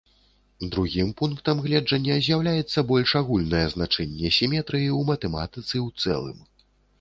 Другім пунктам гледжання з'яўляецца больш агульнае значэнне сіметрыі ў матэматыцы ў цэлым.